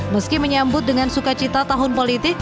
meski menyambut dengan sukacita tahun politik